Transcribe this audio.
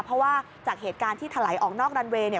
เพราะว่าจากเหตุการณ์ที่ถลายออกนอกรันเวย์เนี่ย